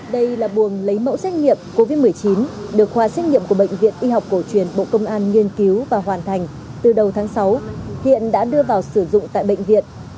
đây là buồng lấy mẫu xét nghiệm covid một mươi chín được khoa xét nghiệm của bệnh viện y học cổ truyền bộ công an nghiên cứu và hoàn thành từ đầu tháng sáu hiện đã đưa vào sử dụng tại bệnh viện